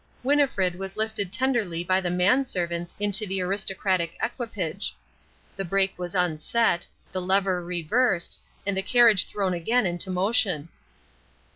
Winnifred was lifted tenderly by the menservants into the aristocratic equipage. The brake was unset, the lever reversed, and the carriage thrown again into motion.